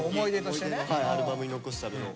思い出のアルバムに残すための。